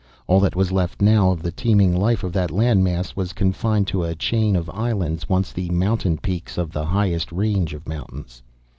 All that was left now of the teeming life of that land mass was confined to a chain of islands, once the mountain peaks of the highest range of mountains.